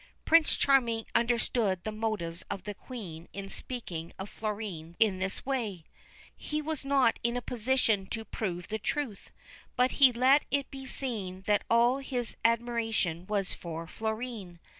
Prince Charming understood the motives of the Queen in speaking of Florine in this way. He was not in a position to prove the truth, but he let it be seen that all his admiration was for Florine.